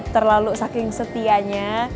terlalu saking setianya